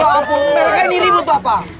ya ampun mereka ini ribut bapak